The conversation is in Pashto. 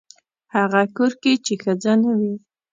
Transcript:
هغه کور کې چې ښځه نه وي.